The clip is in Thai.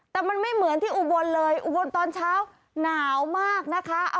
แต่มันไม่เหมือนที่อุบลเลยอุบลตอนเช้าหนาวมากนะคะ